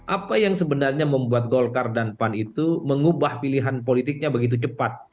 apa yang sebenarnya membuat golkar dan pan itu mengubah pilihan politiknya begitu cepat